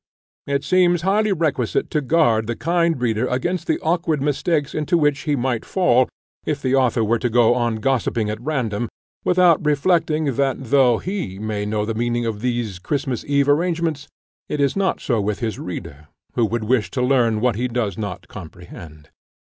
It seems highly requisite to guard the kind reader against the awkward mistakes into which he might fall, if the author were to go on gossiping at random, without reflecting that though he may know the meaning of these Christmas Eve arrangements, it is not so with his reader, who would wish to learn what he does not comprehend.